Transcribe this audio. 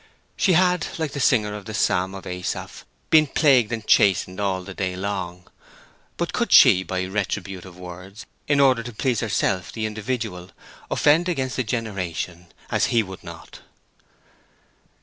She had, like the singer of the psalm of Asaph, been plagued and chastened all the day long; but could she, by retributive words, in order to please herself—the individual—"offend against the generation," as he would not?